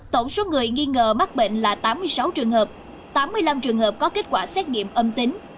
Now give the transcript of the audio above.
tổng số người nghi ngờ mắc bệnh là tám mươi sáu trường hợp tám mươi năm trường hợp có kết quả xét nghiệm âm tính